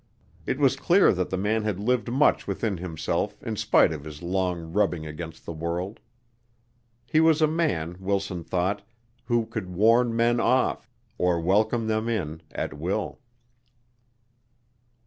It was clear that the man had lived much within himself in spite of his long rubbing against the world. He was a man, Wilson thought, who could warn men off, or welcome them in, at will.